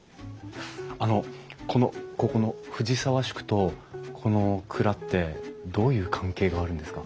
あのこのここの藤沢宿とこの蔵ってどういう関係があるんですか？